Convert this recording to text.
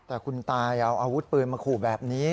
แต่คุณตายเอาอาวุธปืนมาขู่แบบนี้